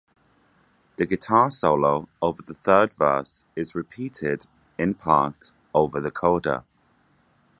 The guitar solo over the third verse is repeated in part over the coda.